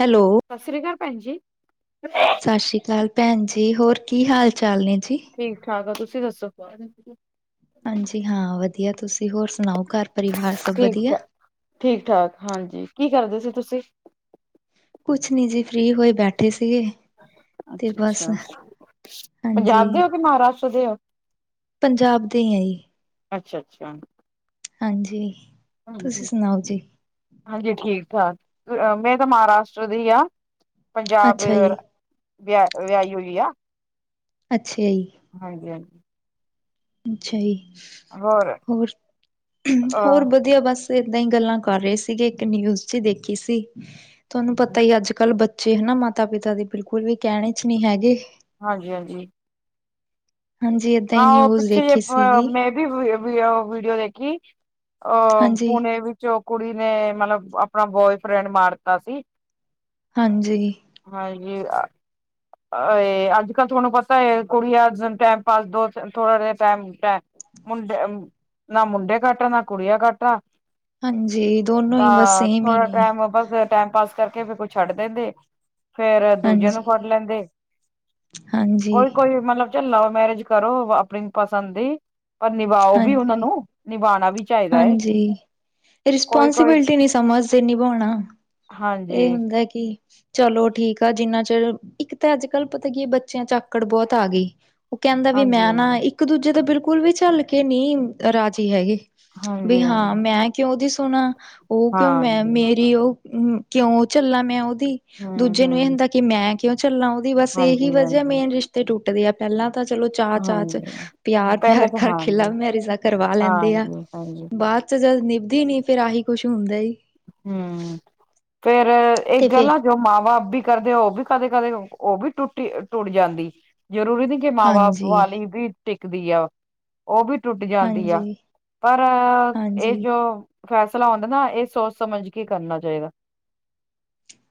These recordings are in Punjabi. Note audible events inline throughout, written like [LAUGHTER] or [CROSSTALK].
ਹੈਲੋ। ਸਾਸਰੀ ਕਾਰ ਭੈਣ ਜੀ ਸ਼ਾਸ਼ੀਕਾਲ ਭੈਣ ਜੀ ਹੋਰ ਕੀ ਹਾਲ, ਚਾਲ ਨੇ ਜੀ। ਠੀਕ, ਠਾਕ ਆ ਤੁਸੀਂ ਦੱਸੋ? [UNINTELLIGIBLE] ਹਾਂਜੀ ਹਾਂ, ਵਧੀਆ ਤੁਸੀਂ ਹੋਰ ਸੁਣਾਓ? ਘਰ ਪਰਿਵਾਰ ਸਭ ਠੀਕ ਵਧੀਆ। ਆ ਠੀਕ, ਠਾਕ ਹਾਂਜੀ ਕੀ ਕਰਦੇ ਸੀ ਤੁਸੀਂ? ਕੁਛ ਨੀ ਜੀ, ਫ੍ਰੀ ਹੋਏ ਬੈਠੇ ਸੀਗੇ। ਤੇ ਬਸ ਅੱਛਾ-ਅੱਛਾ, ਹਾਂਜੀ ਪੰਜਾਬ ਦੇ ਹੋ ਕਿ ਮਹਾਰਾਸ਼ਟਰ ਦੇ ਹੋ? ਪੰਜਾਬ ਦੇ ਐ ਜੀ। ਅੱਛਾ-ਅੱਛਾ। ਹਾਂਜੀ। ਤੁਸੀਂ ਹਾਂਜੀ, [INAUDIBLE] ਸੁਣਾਓ ਜੀ? ਹਾਂਜੀ ਠੀਕ, ਠਾਕ ਮੈਂ ਤਾਂ ਮਹਾਰਾਸ਼ਟਰ ਦੀ ਆ। ਪੰਜਾਬ ਅੱਛਾ ਜੀ, ਵਿਆ-ਵਿਆਹੀ ਹੋਈ ਆ। ਅੱਛਿਆ ਜੀ। ਹਾਂਜੀ-ਹਾਂਜੀ। ਅੱਛਾ ਜੀ, ਹੋਰ, ਹੋਰ ਅ ਵਧੀਆ ਬੱਸ। ਏਦਾਂ ਹੀ ਗੱਲਾਂ ਕਰ ਰਹੇ ਸੀਗੇ, ਇੱਕ ਨਿਊਜ਼ ਜੀ ਦੇਖੀ ਸੀ। ਤੁਹਾਨੂੰ ਪਤਾ ਹੀ ਅੱਜ-ਕੱਲ੍ਹ ਬੱਚ ਬੱਚੇ ਹਨਾ ਮਾਤਾ-ਪਿਤਾ ਦੇ ਬਿਲਕੁਲ ਵੀ ਕਹਿਣੇ 'ਚ' ਨਹੀਂ ਹੈਗੇ। ਹਾਂਜੀ-ਹਾਂਜੀ। [INAUDIBLE] ਹਾਂਜੀ, ਏਦਾਂ ਹੀ ਨਿਊਜ਼ ਦੇਖੀ 'ਚ' ਸੀਗੀ, ਮੈਂ ਵੀ ਵੀਡੀਓ ਦੇਖੀ ਅ ਹਾਂਜੀ, ਪੁਣੇ ਵੀ 'ਚ' ਕੁੜੀ ਨੇ ਮਤਲਬ ਆਪਣਾ ਬੋਏਫਰੈਂਡ ਮਾਰਤਾ ਸੀ। ਹਾਂਜੀ। [UNINTELLIGIBLE] ਜੀ ਆ ਅ ਐਂ ਅੱਜ, ਕੱਲ੍ਹ ਤੁਹਾਨੂੰ ਪਤਾ ਹੈ ਕੁੜੀਆਂ ਟੈਮ ਪਾਸ ਦੋ ਥੋੜਾ ਜਿਹਾ ਟੈਮ ਮੁੰਡੇ, ਨਾ ਮੁੰਡੇ ਘੱਟ ਆ, ਨਾ ਕੁੜੀਆਂ ਘੱਟ ਆ। ਹਾਂਜੀ, [INAUDIBLE] ਦੋਨੋਂ ਹੀ ਬਸ ਤਾਂ ਸੇਮ ਹੀ ਥੋੜਾ ਨੇ, ਟਾਈਮ ਬੱਸ ਟਾਈਮ ਪਾਸ ਕਰਕੇ ਫੇਰ ਕੁਈ ਛੱਡ ਦਿੰਦੇ ਫੇਰ, ਦੂਜੇ ਨੂੰ ਫੜ ਹਾਂਜੀ। ਲੈਂਦੇ [INAUDIBLE] ਹਾਂਜੀ, ਕੋਈ-ਕੋਈ ਮਤਲਬ ਲਵ-ਮੈਰਿਜ ਕਰੋ ਆਪਣੀ ਪਸੰਦ ਦੀ, ਪਰ ਨਿਭਾਓ ਵੀ ਉਹਨਾਂ ਹਾਂਜੀ, ਨੂੰ ਨਿਭਾਣਾ ਵੀ ਚਾਹੀਦਾ ਹੈ ਹਾਂਜੀ, ਕੋਈ ਕੋਈ ਰਿਸਪੋਂਸੀਬਿਲਿਟੀ ਨਹੀਂ ਸਮਝਦੇ, ਨਿਭਾਉਣਾ। ਹਾਂਜੀ ਇਹ ਹੁੰਦਾ ਕੀ ਚਲੋ ਠੀਕ ਆ, ਜਿੰਨਾ ਚਿਰ ਇੱਕ ਤਾਂ ਅੱਜ-ਕੱਲ ਪਤਾ ਕੀ ਬੱਚਿਆਂ ਚੱਕ ਆਕੜ ਬਹੁਤ ਆ ਗਈ ਉਹ ਕਹਿੰਦਾ ਵੀ ਹਾਂਜੀ ਮੈਂ ਨਾ ਇੱਕ ਇੱਕ ਦੂਜੇ ਦੇ ਬਿਲਕੁਲ ਵੀ ਝੱਲ ਕੇ ਨਹੀਂ, ਰਾਜੀ ਹੈਗੀ ਵੀ ਵੀ ਹਾਂਜੀ ਹਾਂ ਹਾਂਜੀ ਮੈਂ ਕਿਉਂ ਉਦੀ ਸੁਣਾ, ਉਹ ਕਿਉਂ ਮੈਂ ਹਾਂਜੀ ਮੇਰੀ ਉਹ ਕਿਉਂ ਝੱਲਾ ਮੈਂ ਉਹਦੀ ਹਮ ਦੂਜੇ ਨੂੰ ਇਹ ਹਮ ਹੁੰਦਾ ਕਿ ਮੈਂ ਕਿਉਂ ਝੱਲਾ ਉਹਦੀ ਬੱਸ ਹਾਂਜੀ ਇਹੀ ਵਜਾ ਹਾਂਜੀ ਮੇਨ ਰਿਸ਼ ਤੇ ਟੁੱਟਦੇ ਆ ਪਹਿਲਾਂ ਤਾਂ ਚਲੋ ਚਾਹ, ਚਾਹ 'ਚ' ਹਾਂਜੀ ਪਹਿਲੇ ਪਿਆਰ-ਪਿਆਰ ਤਾਂ ਕਰਕੇ ਲਵ ਹਾਂਜੀ ਮੈਰਿਜ਼ਾਂ ਕਰਵਾ ਲੈਂਦੇ ਆ। ਹਾਂਜੀ ਹਾਂਜੀ। ਬਾਅਦ 'ਚ' ਜਦ ਨਿਭਦੀ ਨਹੀਂ ਫ਼ਿਰ ਆਹੀ ਕੁਛ ਹੁੰਦਾ ਜੀ‌। ਹਮ, ਫ਼ੇਰ ਇਹ ਤੇ ਫੇਰ ਗੱਲਾਂ ਜੋ ਮਾਂ ਬਾਪ ਵੀ ਕਰਦੇ ਉਹ ਕਦੇ-ਕਦੇ ਉਹ ਵੀ ਟੁੱਟੀ ਟੁੱਟ ਜਾਂਦੀ ਜ਼ਰੂਰੀ ਨੀ ਮਾਂ-ਬਾਪ ਹਾਂਜੀ ਵਾਲੀ ਵੀ ਟਿਕਦੀ ਆ ਉਹ ਵੀ ਟੁੱਟ ਜਾਂਦੀ ਆ, ਹਾਂਜੀ ਪਰ ਇਹ ਹਾਂਜੀ ਜੋ ਫ਼ੈਸਲਾ ਹੁੰਦਾ ਨਾ ਇਹ ਸੋਚ ਸਮਝ ਕੇ ਕਰਨਾ ਚਾਹੀਦਾ।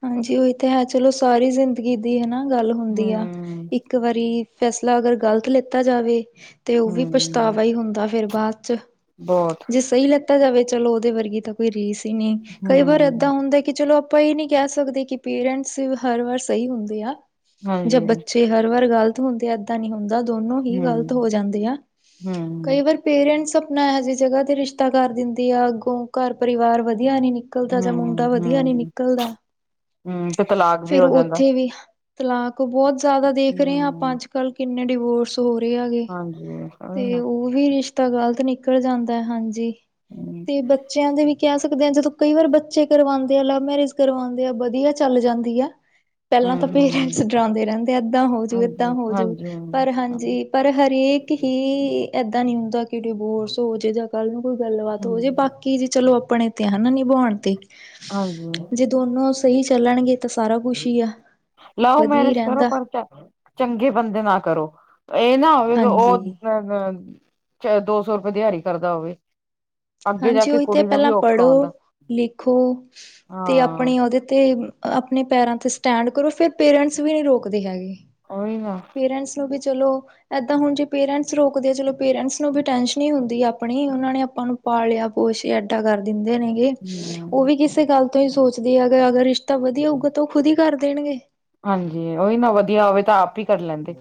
ਹਾਂਜੀ, ਉਹੀ ਤਾਂ ਹੈ ਚਲੋ ਸਾਰੀ ਜ਼ਿੰਦਗੀ ਦੀ ਹਨਾ ਗੱਲ ਹੁੰਦੀ ਆ ਹਮ ਇੱਕ ਵਾਰੀ ਫ਼ੈਸਲਾ ਅਗਰ ਗ਼ਲਤ ਲੇਤਾ ਜਾਵੇ ਤੇ ਉਹ ਵੀ ਹਮ ਪਛਤਾਵਾ ਈ ਹੁੰਦਾ ਫ਼ੇਰ ਬਾਅਦ 'ਚ' ਬਹੁਤ ਸਹੀ ਲੈਤਾ ਜਾਵੇ ਚਲੋ ਉਹਦੇ ਵਰਗੀ ਤਾਂ ਕੋਈ ਰੀਸ ਈ ਨੀ ਕਈ ਵਾਰ ਏਦਾਂ ਹਮ ਹੁੰਦਾ ਕਿ ਚਲੋ ਆਪਾਂ ਇਹ ਨੀ ਕਹਿ ਸਕਦੇ ਕਿ ਪੇਰੈਂਟਸ ਹਰ ਵਾਰ ਸਹੀ ਹੁੰਦੇ ਆ, ਜਬ ਹਾਂਜੀ ਬੱਚੇ ਜੇ ਹਰ ਵਾਰ ਗ਼ਲਤ ਹੁੰਦੇ ਆ ਏਦਾਂ ਨ ਹੁੰਦਾ ਦੋਨੋਂ ਹੀ ਗ਼ਲਤ ਹੋ ਹਮ ਜਾਂਦੇ ਆ, ਕਈ ਹਮ ਵਾਰ ਪੇਰੈਂਟਸ ਆਪਣਾ ਇਹੋ ਜਿਹੀ ਜਗ੍ਹਾ ਤੇ ਰਿਸ਼ਤਾ ਕਰ ਦਿੰਦੇ ਆ, ਅੱਗੋਂ ਘਰ ਪਰਿਵਾਰ ਵਧੀਆਂ ਨੀ ਨ ਨਿਕਲ਼ਦਾ ਜਾਂ ਹਮ ਮੁੰਡਾ ਵਧੀਆਂ ਨੀ ਹਮ ਨਿਕਲ਼ਦਾ, ਹਮ ਤੇ ਤਲਾਕ ਵੀ ਫ਼ੇਰ ਹੋ ਜਾਂਦਾ ਉੱਥੇ ਵੀ ਤਲਾਕ ਬਹੁਤ ਜ਼ਿਆਦਾ ਦੇਖ ਰਹੇ ਆ ਆਪਾਂ ਹਮ ਅੱਜ-ਕੱਲ੍ਹ ਕਿੰਨੇ ਡਿਵੋਰਸ ਹੋ ਰਹੇ ਆ ਗੇ ਹਾਂਜੀ। ਤੇ ਉਹੀ ਨਾ ਉਹ ਵੀ ਰਿਸ਼ਤਾ ਗ਼ਲਤ ਨਿਕਲ਼ ਜਾਂਦਾ ਹਾਂਜੀ, ਹਮ ਤੇ ਬੱਚਿਆਂ ਦੇ ਵੀ ਕਹਿ ਸਕਦੇ ਆ ਜਦੋਂ ਕਈ ਵਾਰ ਬੱਚੇ ਕਰਵਾਂਦੇ ਆ ਲਵ ਮੈਰਿਜ ਕਰਵਾਂਦੇ ਆ ਵਧੀਆਂ ਚੱਲ ਜਾਂਦੀ ਆ ਪਹਿਲਾਂ ਹਮ ਤਾਂ ਹਮ ਪੇਰੈਂਟਸ ਡਰਾਉਂਦੇ ਰਹਿੰਦੇ ਏਦਾਂ ਹੋਜੂ ਏਦਾਂ ਹਾਂਜੀ ਹੋਜੂ ਹਾਂਜੀ ਪਰ ਹਾਂਜੀ ਪਰ ਹਰੇਕ ਹੀ ਏਦਾਂ ਨ੍ਹੀਂ ਹੁੰਦਾ ਡਿਬੋਰਸ ਹੋ ਜੇ ਜਾਂ ਕੱਲ੍ਹ ਨੂੰ ਕੋਈ ਗੱਲਬਾਤ ਹੋ ਜੇ ਹੂੰ ਬਾਕੀ ਜੀ ਚਲੋ ਆਪਣੇ ਤੇ ਹਨਾ ਨੀ ਬੋਣ ਤੇ ਹਾਂਜੀ ਜੇ ਦੋਨੋਂ ਸਹੀ ਚੱਲਣਗੇ ਤਾਂ ਸਾਰਾ ਕੁਛ ਹੀ ਆ ਲਵ ਵਧੀਆ ਹੀ ਮੈਰੇਜ ਕਰੋ ਰਹਿੰਦਾ ਪਰਚਾ ਚੰਗੇ ਬੰਦੇ ਨਾ ਕਰੋ, ਇਹ ਨਾ ਹੋਵੇ ਕਿ ਉਹ ਹਾਂਜੀ 'ਚ' ਦੋ ਸੌ ਰੁਪਏ ਦਿਹਾੜੀ ਕਰਦਾ ਹੋਵੇ ਅੱਗੇ ਜਾ ਹਾਂਜੀ ਕੇ ਉਹੀ ਤੇ ਕੁੜੀ ਨੂੰ ਵੀ ਪਹਿਲਾਂ ਔਖਾ ਪੜ੍ਹੋ, ਹੁੰਦਾ ਲਿਖੋ, ਤੇ ਹਾਂ ਆਪਣੇ ਉਹਦੇ ਤੇ ਆਪਣੇ ਪੈਰਾਂ 'ਤੇ ਸਟੈਂਡ ਕਰੋ ਫ਼ਿਰ ਪੇਰੈਂਟਸ ਵੀ ਨਹੀਂ ਰੋਕਦੇ ਹੈਗੇ ਓਹੀ ਹਾ ਪੇਰੈਂਟਸ ਨੂੰ ਵੀ ਚਲੋ ਏਦਾਂ ਹੁਣ ਜੇ ਪੇਰੈਂਟਸ ਰੋਕਦੇ ਆ ਚਲੋ ਪੇਰੈਂਟਸ ਨੂੰ ਵੀ ਟੈਂਸ਼ਨ ਨਹੀਂ ਹੁੰਦੀ ਆਪਣੀ ਉਹਨਾਂ ਨੇ ਆਪਾਂ ਨੂੰ ਪਾਲਿਆ ਪੋਸ਼ਿਆ ਐਡਾ ਕਰ ਦਿੰਦੇ ਨੇ ਉਹ ਹੂੰ ਵੀ ਕਿਸੇ ਗੱਲ ਤੋਂ ਹੀ ਸੋਚਦੀ ਐ ਅਗਰ ਰਿਸ਼ਤਾ ਵਧੀਆਂ ਹੋਊਗਾ ਤਾਂ ਉਹ ਖੁਦ ਹੀ ਕਰ ਦੇਣਗੇ ਹਾਂਜੀ ਉਹੀ ਨਾ ਵਧੀਆਂ ਹੋਵੇ ਤਾਂ ਆਪ ਹੀ ਕਰ ਲੈਂਦੇ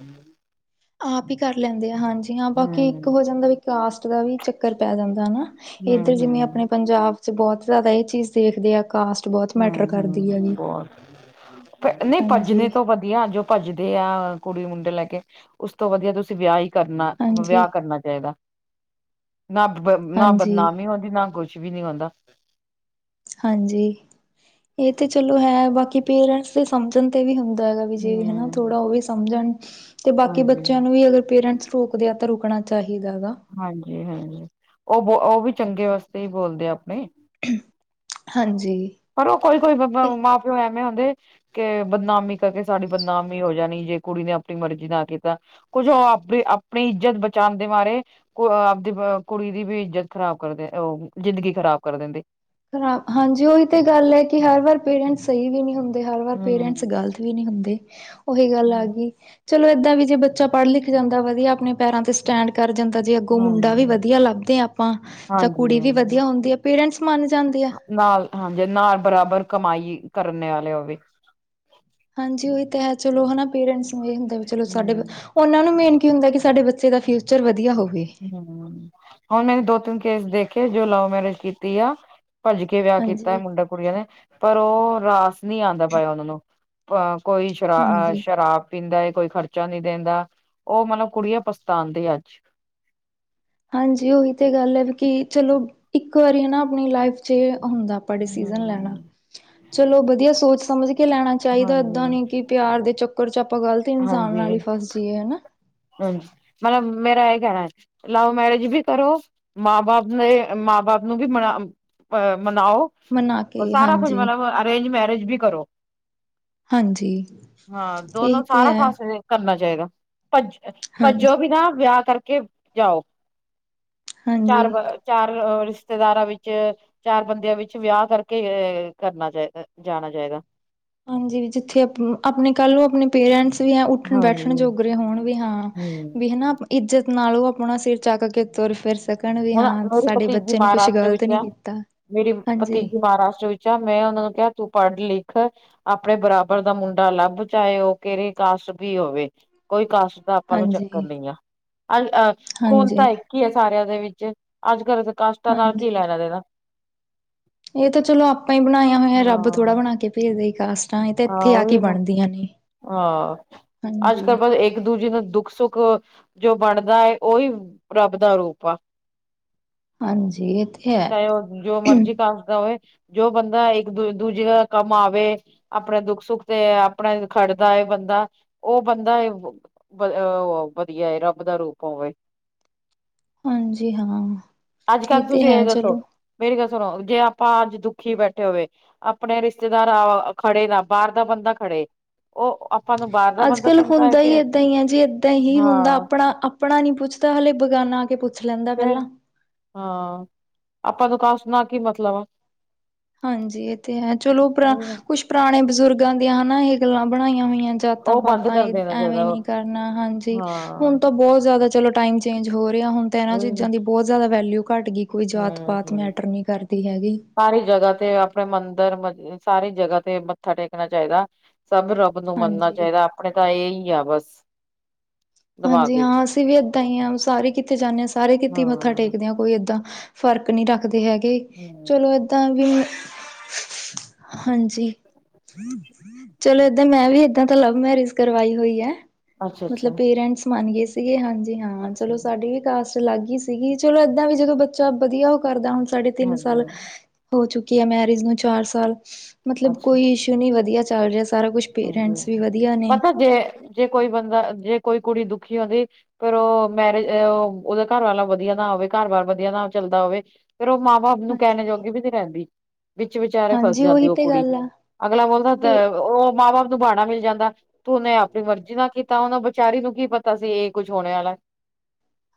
ਆਪ ਹੀ ਕਰ ਲੈਂਦੇ ਆ ਹਾਂਜੀ ਹਾਂ ਬਾਕੀ ਇੱਕ ਹੂੰ ਹੋ ਜਾਂਦਾ ਵੀ ਕਾਸਟ ਦਾ ਵੀ ਚੱਕਰ ਪੈ ਜਾਂਦਾ ਹਨਾ ਹੂੰ ਇੱਧਰ ਜਿਵੇਂ ਹੂੰ ਆਪਣੇ ਪੰਜਾਬ 'ਚ' ਬਹੁਤ ਜ਼ਿਆਦਾ ਇਹ ਚੀਜ਼ ਦੇਖਦੇ ਆ ਕਾਸਟ ਬਹੁਤ ਮੈਟਰ ਕਰਦੀ ਹਮ-ਹਮ ਹੈਗੀ ਬਹੁਤ ਨਹੀਂ ਤੋਂ ਹਾਂਜੀ ਭੱਜਣੇ ਤੋਂ ਭੱਜ ਵਧੀਆਂ ਜੋ ਭੱਜਦੇ ਆ ਕੁੜੀ-ਮੁੰਡੇ ਲੈ ਕੇ ਉਸ ਤੋਂ ਵਧੀਆਂ ਤੁਸੀਂ ਵਿਆਹ ਈ ਕਰਨਾ ਹਾਂਜੀ ਵਿਆਹ ਕਰਨਾ ਚਾਹੀਦਾ। ਨਾ ਹਾਂਜੀ ਬਦ-ਬਦਨਾਮੀ ਹੁੰਦੀ ਨਾ ਕੁਛ ਨੀ ਹੁੰਦਾ ਹਾਂਜੀ ਇਹ ਤੇ ਚਲੋ ਹੈ ਬਾਕੀ ਪੇਰੈਂਟਸ ਦੇ ਸਮਝਣ ਤੇ ਵੀ ਹੁ ਦਾ ਗਾ ਜੇ ਹਨਾ ਥੋੜ੍ਹਾ ਹਮ ਉਹ ਵੀ ਸਮਝਣ, ਤੇ ਹਾਂਜੀ ਬਾਕੀ ਬੱਚਿਆਂ ਨੂੰ ਵੀ ਅਗਰ ਪੇਰੈਂਟਸ ਰੋਕਦੇ ਆ ਤਾਂ ਰੁਕਣਾ ਚਾਹੀਦਾ ਗਾ ਹਾਂਜੀ- ਹਾਂਜੀ ਹੂ ਉਹ ਬ ਉਹ ਵੀ ਚੰਗੇ ਵਾਸਤੇ ਹੀ ਬੋਲਦੇ ਆਪਣੇ ਹਾਂਜੀ। ਪਰ ਉਹ ਕੋਈ-ਕੋਈ ਬਬ ਇਹ ਮਾਂ-ਪਿਓ ਐਵੇਂ ਹੁੰਦੇ ਕੇ ਬਦਨਾਮੀ ਕਰਕੇ ਸਾਡੀ ਬਦਨਾਮੀ ਹੋ ਜਾਣੀ ਜੇ ਕੁੜੀ ਨੇ ਆਪਣੀ ਮਰਜ਼ੀ ਨਾਲ਼ ਕੀਤਾ। ਕੁਝ ਉਹ ਆਪ ਵੀ ਆਪਣੀ ਇੱਜ਼ਤ ਬਚਾਣ ਦੇ ਮਾਰੇ ਕੁਰ ਆਪਦੀ ਅ ਕੁੜੀ ਦੀ ਵੀ ਇੱਜਤ ਖ਼ਰਾਬ ਕਰਦੇ- ਅਅ- ਜ਼ਿੰਦਗੀ ਖ਼ਰਾਬ ਕਰ ਦਿੰਦੇ। ਖਰਾ ਹਾਂਜੀ ਉਹੀ ਤੇ ਗੱਲ ਐ ਕਿ ਹਰ ਵਾਰ ਪੇਰੈਂਟਸ ਸਹੀ ਵੀ ਨਹੀਂ ਹੁੰਦੇ, ਹਰ ਵਾਰ ਪੇਰੈਂਟਸ ਹਮ ਗਲਤ ਵੀ ਨਹੀਂ ਹੁੰਦੇ ਉਹੀ ਗੱਲ ਆ ਗਈ। ਚਲੋ ਏਦਾਂ ਵੀ ਜੇ ਬੱਚਾ ਪੜ੍ਹ-ਲਿਖ ਜਾਂਦਾ ਵਧੀਆ ਆਪਣੇ ਪੈਰਾਂ ਤੇ ਸਟੈਂਡ ਕਰ ਜਾਂਦਾ। ਜੇ ਅੱਗੋਂ ਮੁੰਡਾ ਵੀ ਹਾਂਜੀ ਵਧੀਆ ਲੱਭਦੇ ਆਂ ਆਪਾਂ ਜਾਂ ਕੁੜੀ ਵੀ ਹਾਂਜੀ ਵਧੀਆ ਹੁੰਦੀ ਆ, ਪੇਰੈਂਟਸ ਮੰਨ ਜਾਂਦੇ ਆ। ਨਾਲ ਹਾਂਜੀ ਨਾਲ ਬਰਾਬਰ ਕਮਾਈ ਕਰਨੇ ਆਲੇ ਹੋਵੇ। ਹਾਂਜੀ ਉਹ ਤਾਂ ਹੈ ਚਲੋ ਹਨਾ ਪੇਰੈਂਟਸ ਨੂੰ ਇਹ ਹੁੰਦਾ ਵੀ ਚਲੋ ਸਾਡੇ ਬ ਹਮ ਓਨਾ ਨੂੰ ਮੇਨ ਕਿ ਹੁੰਦਾ ਕਿ ਸਾਡੇ ਬੱਚੇ ਦਾ ਫਿਊਚਰ ਵਧੀਆ ਹੋਵੇ। ਹਮ, ਹੁਣ ਮੈੇਂ ਦੋ-ਤਿੰਨ ਕੇਸ ਦੇਖੇ ਜੋ ਲਵ- ਮੈਰਿਜ ਕੀਤੀ ਆ, ਭੱਜ ਕੇ ਕੇ ਵਿਆਹ ਕੀਤਾ ਹਾਂਜੀ ਮੁੰਡਾ-ਕੁੜੀਆਂ ਨੇ ਪਰ ਉਹ ਰਾਸ ਨੀ ਆਂਦਾ ਪਾਇਆ ਉਹਨਾਂ ਨੂੰ। ਅ ਕੋਈ ਹਾਂਜੀ ਸ਼ਰਾ-ਅ-ਸ਼ਰਾਬ ਪੀਂਦਾ ਏ, ਕੋਈ ਖਰਚਾ ਨਹੀਂ ਦੇਂਦਾ ਉਹ ਮਤਲਬ ਕੁੜੀਆਂ ਪਛਤਾਦੀਆਂ ਅੱਜ ਹਾਂਜੀ ਉਹੀ ਤੇ ਗੱਲ ਐ, ਵੀ ਕੀ ਚਲੋ, ਇੱਕ ਵਾਰੀ ਹਨਾ ਆਪਣੀ ਲਾਈਫ ਚ ਹੁੰਦਾ ਡਿਸੀਜ਼ਨ ਲੈਣਾ, ਹੂੰ, ਚਲੋ ਵਧੀਆ ਸੋਚ ਸਮਝ ਕੇ ਲੈਣਾ ਚਾਈਦਾ ਏਦਾਂ ਹਾਂਜੀ, ਨੀ ਕਿ ਪਿਆਰ ਦੇ ਚੱਕਰ 'ਚ ਆਪਾਂ ਗ਼ਲਤ ਇਨਸਾਨ ਨਾਲ ਈ ਹਾਂਜੀ, ਫਸ ਜਾਈਏ ਹਨਾ। ਹਾਂਜੀ, ਮਤਲਬ ਮੇਰਾ ਆਈ ਕਹਿਣਾ ਲਵ ਮੈਰਿਜ ਵੀ ਕਰੋ, ਮਾਂ-ਬਾਪ ਨੇ-ਅ- ਮਾਂ-ਬਾਪ ਨੂੰ ਵੀ ਮਨਾ ਅਅ ਮਨਾਓ, ਮਨਾ ਕੇ ਸਾਰਾ ਕੁਝ ਹਾਂਜੀ ਮਤਲਬ ਅਰੇਂਜ ਮੈਰਿਜ ਵੀ ਕਰੋ। ਹਾਂਜੀ ਹਾਂ, ਇਹੀ ਦੋਨੋਂ ਤੇ ਸਾਰਾ ਹੈ [UNINTELLIGIBLE] ਕਰਨਾ ਚਾਹੀਦਾ। ਭੱਜ-ਅ- ਭੱਜੋ ਹਾਂਜੀ ਵੀ ਨਾ ਵਿਆਹ ਕਰਕੇ ਜਾਓ [INAUDIBLE] ਚਾਰ ਹਾਂਜੀ ਅ ਚਾਰ- ਅ- ਰਿਸ਼ਤੇਦਾਰਾਂ ਵਿੱਚ ਚਾਰ ਬੰਦਿਆਂ ਵਿੱਚ ਵਿਆਹ ਕਰਕੇ ਅਅ ਕਰਨਾ ਚਾਈ-ਜਾਣਾ- ਚਾਈਦਾ। ਹਾਂਜੀ ਵੀ ਜਿੱਥੇ ਆਪ-ਆਪਣੇ ਕੱਲ੍ਹ ਨੂੰ ਆਪਣੇ ਪੇਰੈਂਟਸ ਵੀ ਐ ਹਾਂਜੀ ਉੱਠਣ-ਬੈਠਣ ਜੋਗਰੇ ਹੋਣ, ਵੀ ਹਾਂ ਹਮ ਵੀ ਹਨਾ ਇੱਜਤ ਨਾਲ ਉਹ ਆਪਣਾ ਸਿਰ ਚੱਕ ਕੇ ਤੁਰ-ਫਿਰ ਸਕ ਹਨਾ ਮੇਰੀ ਭਤੀਜੀ ਮਹਾਰਾਸ਼ਟਰ ਵਿੱਚ ਨਹੀਂ ਐ- ਕੀਤਾ ਮੇਰੀ ਹਾਂਜੀ ਭਤੀਜੀ ਮਹਾਰਾਸ਼ਟਰ ਵਿੱਚ ਜਾ ਮੈਂ ਉਹਨਾਂ ਨੂੰ ਕਿਹਾ ਤੂੰ ਪੜ੍ਹ-ਲਿਖ ਆਪਣੇ ਬਰਾਬਰ ਦਾ ਮੁੰਡਾ ਲੱਭ ਚਾਏ ਉਹ ਕਿਹਰੀ ਕਾਸਟ ਵੀ ਹੋਵੇ, ਕੋਈ ਕਾਸ ਆਪਾਂ ਨੂੰ ਹਾਂਜੀ ਚੱਕਰ ਨਹੀਂ ਆਂ, ਅ -ਅਹ ਖੂਨ ਹਾਂਜੀ ਤਾਂ ਇੱਕ ਈ ਆ ਸਾਰਿਆਂ ਦੇ ਵਿੱਚ। ਅੱਜ-ਕੱਲ੍ਹ ਤੇ ਕਾਸਟਾਂ ਨਾਲ ਕੀ ਹਾਂਜੀ ਲੈਣਾ-ਦੇਣਾ। ਇਹ ਤਾਂ ਚਲੋ ਆਪਾਂ ਬਣਾਇਆ ਹੋਇਆ ਰੱਬ ਹਾਂ ਥੋੜ੍ਹਾ ਬਣਾ ਕੇ ਭੇਜਦਾ ਈ ਕਾਸਟ। ਤਾਂਹੀ ਤਾਂ ਹਾਂ ਇੱਥੇ ਆ ਕੇ ਉਹੀ ਨਾ ਬਣਦੀਆਂ ਨੇ। ਹਾਂ, ਹਾਂਜੀ ਅੱਜ-ਕੱਲ੍ਹ ਬ ਇੱਕ-ਦੂਜੇ ਨੂੰ ਦੁੱਖ- ਸੁੱਖ ਜੋ ਵੰਡਦਾ ਏ ਓਈ ਰੱਬ ਦਾ ਰੂਪ ਆ। ਹਾਂਜੀ, ਇਹ ਤੇ ਹੈ। ਹਮੂੰਅ ਦੱਸਦਾ ਓਏ। ਜੋ ਬੰਦਾ ਇੱਕ-ਦ-ਦੂਜੇ ਕੰਮ ਆਵੇ, ਆਪਣੇ ਦੁੱਖ-ਸੁੱਖ ਤੇ ਆਪਣੇ ਖੜਦਾ ਏ ਬੰਦਾ, ਉਹ ਬੰਦਾ ਵ-ਅਅ-ਵਧੀਆ ਏ ਰੱਬ ਦਾ ਰੂਪ ਹੋਵੇ। ਹਾਂਜੀ ਹਾਂ, ਅੱਜ ਇਹ ਕੱਲ੍ਹ ਤੇ ਤੁਸੀਂ ਹੈ ਦੱਸੋ ਚਲੋ। ਮੇਰੀ ਗੱਲ ਸੁਣੋ ਜੇ ਆਪਾਂ ਅੱਜ ਦੁੱਖੀ ਬੈਠੇ ਹੋਵੇ ਆਪਣੇ ਰਿਸ਼ਤੇਦਾਰ ਅਅ ਖੜੇ ਨਾ, ਬਾਹਰ ਦਾ ਬੰਦਾ ਖੜੇ ਉਹ ਆਪਾਂ ਨੂੰ ਬਾਹਰ ਦਾ ਬੰਦਾ ਅੱਜ-ਕੱਲ੍ਹ ਚੰਗਾ ਹੈ ਹੁੰਦਾ ਈ ਕਿ ਏਦਾਂ ਈਂ ਆਂ ਜੀ, ਏਦਾਂ ਹੀ ਹੁੰਦਾ ਹਾਂ ਆਪਣਾ ਆਪ ਆਪਣਾ ਨੀ ਪੁੱਛਦਾ ਹਲੇ ਬੇਗਾਨਾ ਆ ਕੇ ਪੁੱਛ ਲੈਂਦਾ ਫ ਪਹਿਲਾਂ ਹਾਂ, ਆਪਾਂ ਨੂੰ ਕਾਸਟ ਨਾਲ ਕੀ ਮਤਲਬ ਆ? ਹਾਂਜੀ ਇਹ ਤੇ ਹੈ, ਚਲੋ ਪਰਾ ਉਹੀ ਨਾ ਕੁਛ ਪੁਰਾਣੇ ਬਜ਼ੁਰਗਾਂ ਦੀਆਂ ਹਨਾ ਇਹ ਗੱਲਾਂ ਬਣਾਈਆਂ ਹੋਈਆਂ। ਉਹ ਬੰਦ ਜਾਤਾਂ-ਪਾਤਾਂ ਕਰ ਦੇਣਾ ਏ-ਐਵੇਂ ਚਾਹੀਦਾ ਨੀ ਕਰਨਾ ਹਾਂਜੀ ਹਾਂ ਹੁਣ ਤਾਂ ਬਹੁਤ ਜ਼ਿਆਦਾ ਚਲੋ ਟਾਈਮ ਚੇਂਜ ਹੋ ਰਿਹਾ ਹੁਣ ਤਾਂ ਇਹਨਾਂ ਉਹੀ ਨਾ ਚੀਜ਼ਾਂ ਦੀ ਬਹੁਤ ਜ਼ਿਆਦਾ ਵੈਲਿਊ ਘੱਟ ਗਈ। ਕੋਈ ਜਾਤ- ਹਮ ਪਾਤ ਹਮ ਮੈਟਰ ਨਹੀਂ ਕਰਦੀ ਹੈਗੀ। ਸਾਰੀ ਜਗ੍ਹਾ ਤੇ ਆਪਣੇ ਮੰਦਿਰ ਸਾਰੀ ਜਗ੍ਹਾ ਤੇ ਮੱਥਾ ਟੇਕਣਾ ਚਾਹੀਦਾ ਸਭ ਰ ਬ ਨੂੰ ਮੰਨਣਾ ਹਾਂਜੀ ਚਾਹੀਦਾ ਆਪਣੇ ਤਾਂ ਇਹਹੀ ਆ ਬਸ। ਦਿਮਾਗ ਹਾਂਜੀ ਵਿੱਚ ਹਾਂ ਅਸੀਂ ਵੀ ਏਦਾਂ ਹੀ ਹਾਂ ਸਾਰੇ ਕਿੱਤੇ ਜਾਂਦੇ ਹਾਂ, ਸਾਰੇ ਹਾਂ ਕਿਤੇ ਮੱਥਾ ਟੇਕਦੇ ਹਾਂ। ਕੋਈ ਏਦਾਂ ਫ਼ਰਕ ਨਹੀਂ ਰੱਖਦੇ ਹੈਗੇ, ਹਮ ਚਲੋ ਏਦਾਂ ਵੀ, ਹਾਂਜੀ ਚਲੋ ਏਦਾਂ ਮੈਂ ਵੀ ਏਦਾਂ ਤਾਂ ਲਵ ਮੈਰਿਜ ਕਰਵਾਈ ਹੋਈ ਹੈ। ਅੱਛਾ- ਮਤਲਬ ਅੱਛਾ। ਪੇਰੈਂਟਸ ਮੰਨ ਗਏ ਸੀਗੇ ਹਾਂਜੀ ਹਾਂ ਚਲੋ ਅੱਛਾ ਸਾਡੇ ਵੀ ਕਾਸਟ ਅਲੱਗ ਹੀ ਸੀਗੀ, ਚਲੋ ਏਦਾਂ ਜਦੋਂ ਬੱਚਾ ਵਧੀਆ ਉਹ ਕਰਦਾ ਹੁਣ ਸਾਢੇ ਤਿੰਨ ਹਾਂਜੀ ਸਾਲ ਹੋ ਚੁੱਕੀ ਹੈ ਮੈਰਿਜ ਨੂੰ ਚਾਰ ਸਾਲ, ਮਤਲਬ ਕੋਈ ਇਸ਼ੂ ਨੀ ਵਧੀਆ ਚੱਲ ਰਿਹਾ ਸਾਰਾ ਕੁੱਛ ਹਾਂ ਪਤਾ ਜੇ, ਜੇ ਕੋਈ ਬੰਦਾ ਜੇ ਕੋਈ ਕੁੜੀ ਦੁਖੀ ਹੋਵੇ। ਫ ਉਹ ਮੈਰਿਜ ਉਹਦਾ ਘਰ ਵਾਲਾ ਵਧੀਆ ਨਾ ਹੋਵੇ ਘਰ ਬਾਰ ਵਧੀਆ ਨਾ ਚੱਲਦਾ ਹੋਵੇ। ਫੇਰ ਉਹ ਮਾ-ਬਾਪ ਨੂੰ ਕਹਿਣ ਹਾਂਜੀ ਜੋਗੀ ਵੀ ਨੀ ਰਹਿੰਦੀ, ਵਿੱਚ ਵਿਚਾਲੇ ਫਸ ਹਾਂਜੀ ਜਾਂਦੀ ਉਹੀ ਉਹ ਤੇ ਕੁੜੀ, ਗੱਲ ਆ ਅਗਲਾ ਬੋਲਦਾ ਤੇ ਉਹ ਮਾਂ- ਬਾਪ ਨੂੰ ਬਹਾਣਾ ਮਿਲ ਜਾਂਦਾ। ਤੂੰ ਨੇ ਆਪਣੀ ਮਰਜ਼ੀ ਨਾਲ ਕੀਤਾ ਉਹਨੂੰ ਵਿਚਾਰੀ ਨੂੰ ਕੀ ਪਤਾ ਸੀ ਇਹ ਕੁੱਝ ਹੋਣ ਵਾਲਾ।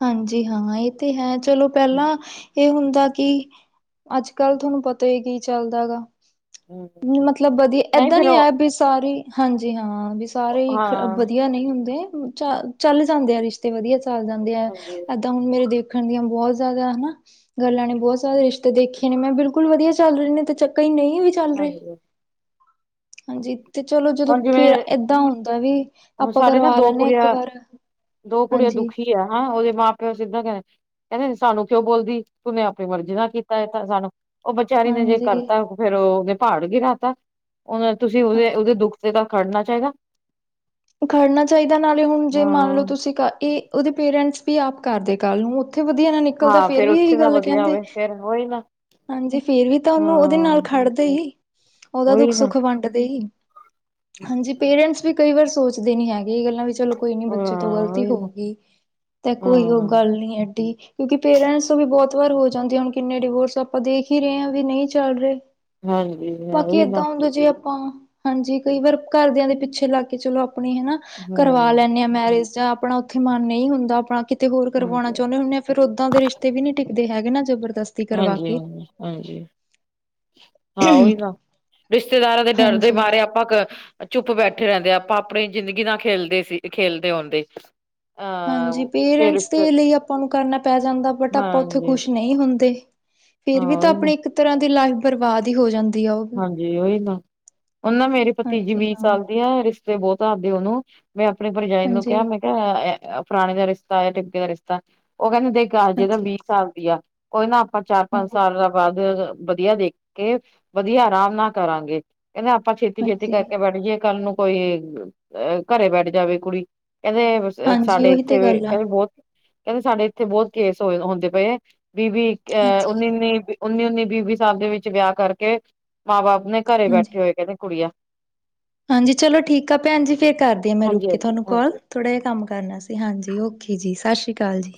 ਹਾਂਜੀ ਹਾਂ ਇਹ ਤੇ ਹੈ ਚਲੋ ਪਹਿਲਾਂ ਇਹ ਹੁੰਦਾ ਕਿ ਅੱਜ-ਕੱਲ੍ਹ ਤੁਹਾਨੂੰ ਪਤਾ ਹੀ ਕੀ ਚੱਲਦਾ ਗਾ। ਹਮ। ਮਤਲਬ ਵਧੀਆ ਏਦਾਂ ਨੀ ਆਇਆ ਵੀ ਸਾਰੇ ਹੀ, ਹਾਂਜੀ ਹਾਂ ਵੀ ਸਾਰੇ ਹਾਂ ਵਧੀਆ ਨਹੀਂ ਹੁੰਦੇ। ਚ ਚੱਲ ਜਾਂਦੇ ਆ ਰਿਸ਼ਤੇ ਵਧੀਆ ਚੱਲ ਜਾਂਦੇ ਹੈ। ਹਾਂਜੀ ਤਾਂ ਹੁਣ ਮੇਰੇ ਦੇਖਣ ਦੀਆਂ ਬਹੁਤ ਜ਼ਿਆਦਾ ਹਨਾ। ਗੱਲਾਂ ਨੇ ਬਹੁਤ ਸਾਰੇ ਰਿਸ਼ਤੇ ਦੇਖੇ ਨੇ ਮੈਂ ਬਿਲਕੁਲ ਵਧੀਆ ਚੱਲ ਰਹੇ ਨੇ ਤੇ ਚੱਕ ਹੀ ਨਹੀਂ ਵੀ ਚੱਲ ਰਹੇ ਹਾਂਜੀ। ਹਾਂਜੀ ਤੇ ਚਲੋ ਜਦੋਂ ਹੁਣ ਜਿਵੇਂ ਫਿਰ ਏਦਾਂ ਹੁੰਦਾ ਵੀ, ਹੁਣ ਆਪਾਂ ਸਾਡੇ ਨਾ ਕਰਵਾ ਦੋ ਲੈਂਦੇ ਹਾਂ ਇੱਕ ਕੁੜੀਆਂ ਵਾਰ। ਦੋ ਕੁੜੀਆਂ ਹਾਂਜੀ ਦੁਖੀ ਆ ਹਾਂ ਉਹਦੇ ਮਾਂ ਪਿਓ ਸਿੱਧਾ ਕ ਕਹਿੰਦੇ ਸਾਨੂੰ ਕਿਉਂ ਬੋਲਦੀ ਤੂੰਨੇ ਆਪਣੀ ਮਰਜ਼ੀ ਨਾ ਕੀਤਾ ਥ ਸਾਨੂੰ ਉਹ ਵਿਚਾਰੀ ਨੇ ਜੇ ਹਾਂਜੀ ਕਰਤਾ ਫੇਰ ਉਹਦੇ ਪਹਾੜ ਗਿਰਾਤਾ ਉਹਨੇ ਤੁਸੀਂ ਉਹਦੇ, ਉਹਦੇ ਹਾਂਜੀ ਦੁੱਖ ਤੇ ਤਾਂ ਖੜਨਾ ਚਾਹੀਦਾ। ਖੜਨਾ ਚਾਹੀਦਾ ਨਾਲੇ ਹੁਣ ਜੇ ਮੰਨ ਲਓ ਹਾਂ ਤੁਸੀਂ ਕੀ ਉਹਦੇ ਪੇਰੈਂਟਸ ਵੀ ਆਪ ਕਰਦੇ ਕੱਲ੍ਹ ਨੂੰ ਉੱਥੇ ਵਧੀਆ ਨਾ ਨਿਕਲਦਾ ਹਾਂ ਫੇਰ ਵੀ ਉੱਥੇ ਇਹੀ ਨਾ ਗੱਲ ਵਧੀਆ ਕਹਿੰਦੇ। ਹੋਵੇ ਫੇਰ ਉਹੀ ਨਾ ਹਾਂਜੀ ਫੇਰ ਵੀ ਤਾਂ ਉਹਨੂੰ ਉਹਦੇ ਨਾਲ ਹਾਂ ਖੜਦੇ ਹੀ, ਉਹਦਾ ਉਹੀ ਨਾ ਦੁੱਖ-ਸੁੱਖ ਵੰਡ ਡਦੇ ਈ ਹਾਂਜੀ ਪੇਰੈਂਟਸ ਵੀ ਕਈ ਵਾਰ ਸੋਚ ਦੇ ਨੀ ਹੈਗੇ ਇਹ ਗੱਲਾਂ ਵੀ ਚਲੋ ਕੋਈ ਨੀ ਬੱਚੇ ਤੋਂ ਹਾਂ ਗ਼ਲਤੀ ਉਹੀ ਹੋ ਨਾ ਗਈ। ਤੇ ਕੋਈ ਉਹ ਹਾਂ ਗੱਲ ਨਹੀਂ ਐਡੀ। ਕਿਉਂਕਿ ਪੇਰੈਂਟਸ ਵੀ ਬਹੁਤ ਵਾਰ ਹੋ ਜਾਂਦੇ ਹੁਣ ਕਿੰਨੇ ਡਿਵੋਰਸ ਆਪਾਂ ਦੇਖ ਹੀ ਰਹੇ ਹਾਂ ਵੀ ਨਹੀਂ ਚੱਲ ਰਹੇ। ਹਾਂਜੀ ਬਾਕੀ ਉਹੀ ਨਾ ਏਦਾਂ ਹੁੰਦਾ ਜੇ ਆਪਾਂ। ਹਾਂਜੀ ਕਈ ਵਾਰ ਘਰਦਿਆਂ ਦੇ ਪਿੱਛੇ ਲੱਗ ਕੇ ਚਲੋ ਆਪਣੀ ਹਨਾ ਕਰਵਾ ਹਮ ਲੈਂਦੇ ਹਾਂ ਮੈਰਿਜ ਜਾਂ ਆਪਣਾ ਉੱਥੇ ਮਨ ਨਹੀਂ ਹੁੰਦਾ ਆਪਣਾ ਕਿਤੇ ਹੋਰ ਕਰਵਾਉਣਾ ਹਾਂਜੀ ਚਾਹੁੰਦੇ ਹੁੰਦੇ ਆ ਫਿਰ ਓਦਾਂ ਦੇ ਰਿਸ਼ਤੇ ਵੀ ਨੀ ਟਿੱਕਦੇ ਹੈਗੇ ਨਾ ਜਬਰਦਸਤ ਹਾਂਜੀ, ਹਾਂਜੀ, ਹਾਂਜੀ। ਹਾਂ ਉਹੀ ਨਾ ਰਿਸ਼ਤੇਦਾਰਾਂ ਦੇ ਡਰ ਦੇ ਹਾਂਜੀ ਬਾਰੇ ਆਪਾਂ ਚੁੱਪ ਬੈਠੇ ਰਹਿੰਦੇ ਆ ਆਪਾਂ ਆਪਣੀ ਜ਼ਿੰਦਗੀ ਨਾ ਖੇਲਦੇ ਸੀ ਖੇਲਦੇ ਹੁੰਂਦੇ। ਹਾਂਜੀ, ਪੇਰੈਂਟਸ ਦੇ ਲਈ ਆਪਾਂ ਨੂੰ ਕਰਨਾ ਪੈ ਜਾਂਦਾ ਬਟ ਆਪਾਂ ਉੱਥੇ ਹਾਂਜੀ ਖੁਸ਼ ਨਹੀਂ। ਨਹੀਂ ਹੁੰਦੇ ਫੇਰ ਹਾਂ ਵੀ ਤਾਂ। ਉਹੀ ਨਾ ਆਪਣੀ ਇੱਕ ਤਰ੍ਹਾਂ ਦੀ ਲਾਈਫ ਬਰਬਾਦ ਹੀ ਹੋ ਜਾਂਦੀ। ਆ ਉਹ ਹਾਂਜੀ ਉਹੀ ਨਾ, ਉਹ ਨਾ ਮੇਰੇ ਭਤੀਜੀ ਹਾਂਜੀ ਵੀਹ ਹਾਂ ਸਾਲ ਦੀ ਆ ਰਿਸ਼ਤੇ ਬਹੁਤ ਆਦੇ ਉਹਨੂੰ ਮੈਂ ਆਪਣੀ ਭਰਜਾਈ ਨੂੰ ਹਾਂਜੀ ਕਿਹਾ ਮੈਂ ਕਿਹਾ ਫਲਾਣੇ ਦਾ ਰਿਸ਼ਤਾ ਆਇਆ ਤਿਮਕੇ ਦਾ ਰਿਸ਼ਤਾ ਉਹ ਕਹਿੰਦੇ ਦੇਖ ਅਜੇ ਤਾਂ ਹਾਂਜੀ ਵੀਹ ਸਾਲ ਦੀ ਆ, ਕੋਈ ਨਾ ਆਪਾਂ ਚਾਰ ਪੰਜ ਹਾਂਜੀ ਸਾਲ ਬਾਅਦ ਵਧੀਆ ਦੇਖ ਕੇ ਵਧੀਆ ਆਰਾਮ ਨਾਲ ਕਰਾਂਗੇ ਕਹਿੰਦੇ ਆਪਾਂ ਛੇਤੀ-ਛੇਤੀ ਹਾਂਜੀ ਕਰਕੇ ਬੈਠ ਜਏ ਕੱਲ੍ਹ ਨੂੰ ਕੋਈ ਅ ਘਰੇ ਬੈਠ ਜਾਵੇ ਕੁੜੀ, ਕਹਿੰਦੇ ਹਾਂਜੀ ਸਾਡੇ ਉਹੀ ਤੇ ਇੱਥੇ ਵੀ ਗੱਲ ਆ ਕਹਿੰਦੇ ਬਹੁਤ ਕਹਿੰਦੇ ਸਾਡੇ ਇੱਥੇ ਬਹੁਤ ਕੇਸ ਹੋਏ ਹੁੰਦੇ ਪਏ ਆ ਵੀਹ-ਵੀਹ ਅ ਹਾਂਜੀ ਉੱਨੀ-ਉਨੀ ਉੱਨੀ-ਉੱਨੀ, ਵੀਹ-ਵੀਹ ਸਾਲ ਦੇ ਵਿੱਚ ਵਿਆਹ ਕਰਕੇ, ਮਾਂ-ਬਾਪ ਨੇ ਘਰੇ ਹਾਂਜੀ ਬੈਠੇ ਹੋਏ ਕਹਿੰਦੇ ਕੁੜੀਆਂ। ਹਾਂਜੀ ਚਲੋ ਠੀਕ ਆ ਭੈਣ ਜੀ ਫੇਰ ਕਰਦੀ ਹਾਂ ਮੈਂ ਰੁਕ ਹਾਂਜੀ ਕੇ ਹਾਂਜੀ ਤੁਹਾਨੂੰ ਕਾੱਲ। ਹਾਂਜੀ ਥੋੜ੍ਹਾ ਜਿਹਾ ਕੰਮ ਕਰਨਾ ਸੀ ਹਾਂਜੀ ਓਕੇ ਜੀ ਸਾਸਰੀ ਕਾਲ ਜੀ।